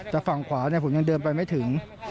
แต่ฝั่งขวาผมยังเดินไปไม่ถึง